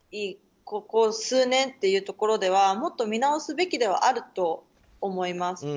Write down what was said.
ここ数年というところではもっと見直すべきではあると思います。